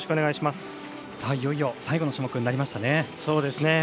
いよいよ最後の種目になりましたね。